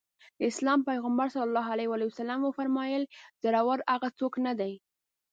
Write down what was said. د اسلام پيغمبر ص وفرمايل زورور هغه څوک نه دی.